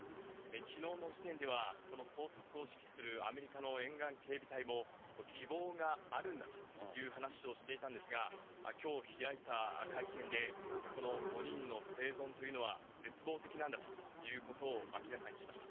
きのうの時点では、この捜索を指揮するアメリカの沿岸警備隊も、希望があるんだという話をしていたんですが、きょう開いた会見で、この５人の生存というのは絶望的なんだということを明らかにしました。